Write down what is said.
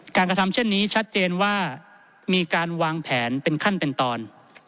กระทำเช่นนี้ชัดเจนว่ามีการวางแผนเป็นขั้นเป็นตอน